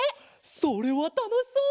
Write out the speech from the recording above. それはたのしそう！